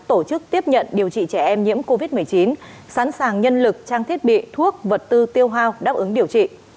tổ chức tiếp nhận điều trị trẻ em nhiễm covid một mươi chín sẵn sàng nhân lực trang thiết bị thuốc vật tư tiêu hao đáp ứng điều trị